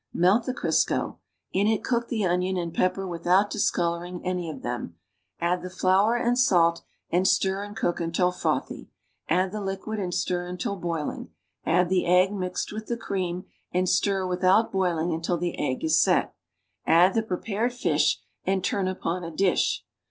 Melt the Crisco; in it cook the onion and pepper without (liscoloring any of them; add the flour and salt and stir and cook until frothy; add the liquid and stir until boiling; add the egg mixed with the cream and stir without boiling until the egg is set; add the prepared fish and turn upon a dish.